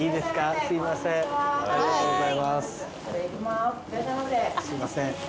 すいません。